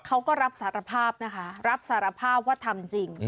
เขาก็รับสารภาพนะคะรับสารภาพว่าทำจริง